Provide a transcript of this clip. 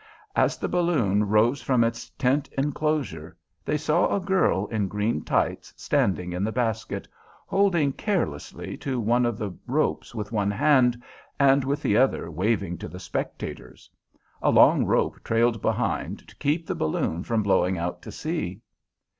As the balloon rose from its tent enclosure, they saw a girl in green tights standing in the basket, holding carelessly to one of the ropes with one hand and with the other waving to the spectators. A long rope trailed behind to keep the balloon from blowing out to sea.